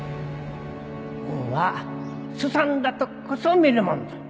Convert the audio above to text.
海んはすさんだとっこそ見るもんぞ。